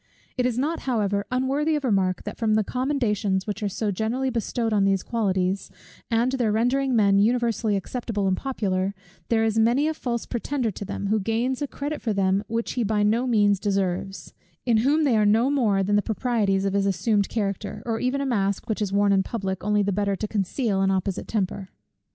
It is not however unworthy of remark, that from the commendations which are so generally bestowed on these qualities, and their rendering men universally acceptable and popular, there is many a false pretender to them, who gains a credit for them which he by no means deserves; in whom they are no more than the proprieties of his assumed character, or even a mask which is worn in public, only the better to conceal an opposite temper.